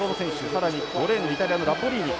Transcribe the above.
さらに、５レーンのイタリアのラッボリーニ。